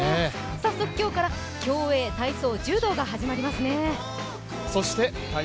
早速今日から体操、競泳、柔道が始まりますね。